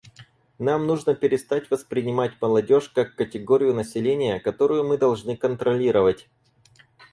Нам нужно перестать воспринимать молодежь как категорию населения, которую мы должны контролировать.